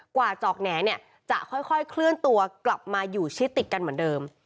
จอกแหน่เนี่ยจะค่อยเคลื่อนตัวกลับมาอยู่ชิดติดกันเหมือนเดิม